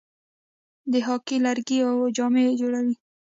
د هاکي لکړې او جامې جوړوي.